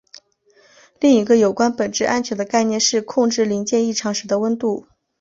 另一个有关本质安全的概念是控制零件异常时的温度。